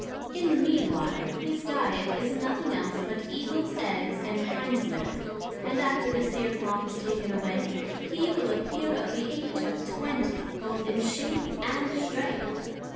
In the mean while, his diet is nothing else but Eagles eggs, and Hinds milk; and after the Cere cloth is taken away, he will appear of the age of Twenty, both in shape, and strength.